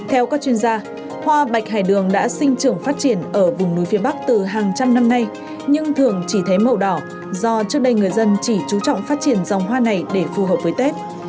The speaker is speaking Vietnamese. theo các chuyên gia hoa bạch hải đường đã sinh trưởng phát triển ở vùng núi phía bắc từ hàng trăm năm nay nhưng thường chỉ thấy màu đỏ do trước đây người dân chỉ chú trọng phát triển dòng hoa này để phù hợp với tết